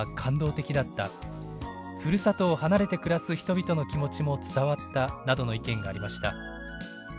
ふるさとを離れて暮らす人々の気持ちも伝わった」などの意見がありました。